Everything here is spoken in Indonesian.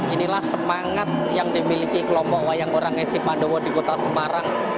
inilah semangat yang dimiliki kelompok wayang orang ngesti mandowo di kota semarang